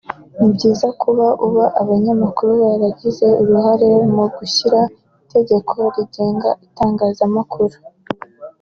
Ni byiza kuba ubu abanyamakuru baragize uruhare mu gushyiraho Itegeko rigenga Itangazamakuru